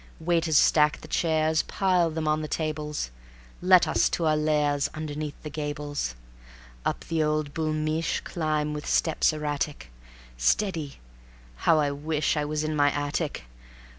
Waiters stack the chairs, Pile them on the tables; Let us to our lairs Underneath the gables. Up the old Boul' Mich' Climb with steps erratic. Steady ... how I wish I was in my attic!